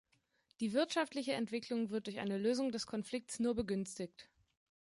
Die wirtschaftliche Entwicklung wird durch eine Lösung des Konflikts nur begünstigt.